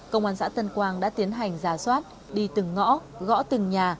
công an xã tân quang đã tiến hành giả soát đi từng ngõ gõ từng nhà